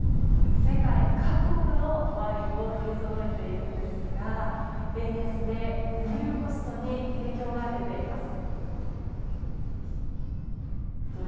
世界各国のワインを取りそろえているんですが円安で輸入コストに影響が出ています。